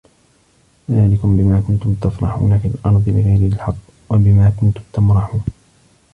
ذلِكُم بِما كُنتُم تَفرَحونَ فِي الأَرضِ بِغَيرِ الحَقِّ وَبِما كُنتُم تَمرَحونَ